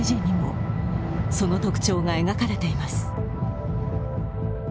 ＣＧにも、その特徴が描かれています。